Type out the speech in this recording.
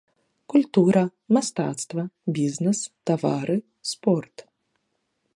Культура, мастацтва, бізнес, тавары, спорт.